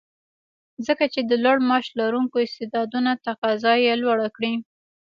ځکه چې د لوړ معاش لرونکو استعدادونو تقاضا یې لوړه کړې